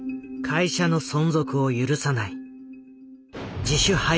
会社の存続を許さない自主廃業。